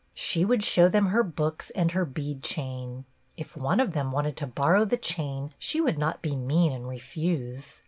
She would show them her books and her bead chain. If one of them wanted to bor row the chain she would not be mean and refuse.